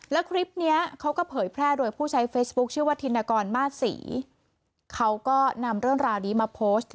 แล้วคลิปนี้เขาก็เผยแพร่โดยผู้ใช้เฟซบุ๊คชื่อว่าธินกรมาสศรีเขาก็นำเรื่องราวนี้มาโพสต์